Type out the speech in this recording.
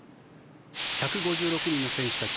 １５６人の選手たち